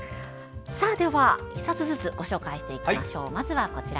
では１冊ずつ紹介していきます。